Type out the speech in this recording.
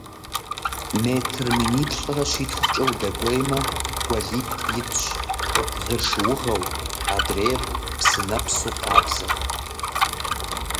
Метр миниплӏрэ щитхукӀэ удэкӀуеймэ, гуэлитӀ итщ, зыр шыугъэу, адрейр псынэпсу къабзэу.